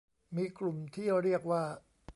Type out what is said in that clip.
มีกลุ่มที่เรียกว่า